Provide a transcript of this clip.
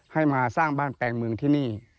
ให้มาสร้างบ้านแปลงเมืองที่นี่